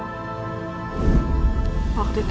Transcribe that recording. aku akan melakukan test dna